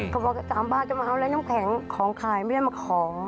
บอก๓บาทจะมาเอาอะไรน้ำแข็งของขายไม่ได้มาของ